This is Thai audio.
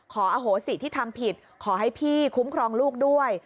อโหสิที่ทำผิดขอให้พี่คุ้มครองลูกด้วย